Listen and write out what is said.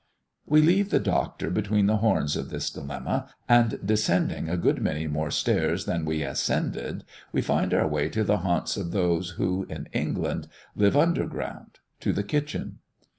We leave the Doctor between the horns of this dilemma, and descending a good many more stairs than we ascended, we find our way to the haunts of those who, in England, live under ground to the kitchen.